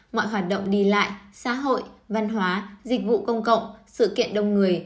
mọi hoạt động đi lại xã hội văn hóa dịch vụ công cộng sự kiện đông người